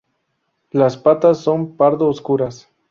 Las patas son pardo oscuras.